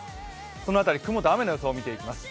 その辺り、雲と雨の予想で見ていきます。